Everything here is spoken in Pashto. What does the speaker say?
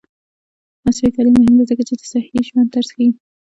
عصري تعلیم مهم دی ځکه چې د صحي ژوند طرز ښيي.